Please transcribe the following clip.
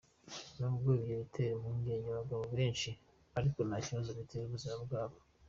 N’ubwo ibyo bitera impungenge abagabo benshi ariko nta kibazo bitera ubuzima bwabo.